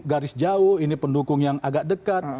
garis jauh ini pendukung yang agak dekat